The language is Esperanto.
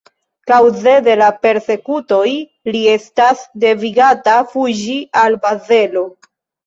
Kaŭze de persekutoj li estas devigata fuĝi al Bazelo.